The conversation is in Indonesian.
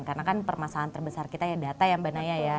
karena kan permasalahan terbesar kita ya data yang benar ya